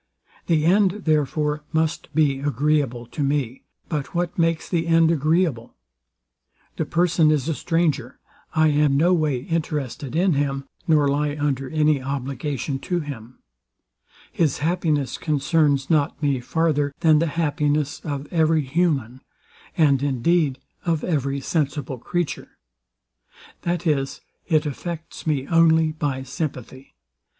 The end, therefore, must be agreeable to me. But what makes the end agreeable? The person is a stranger: I am no way interested in him, nor lie under any obligation to him: His happiness concerns not me, farther than the happiness of every human, and indeed of every sensible creature: That is, it affects me only by sympathy.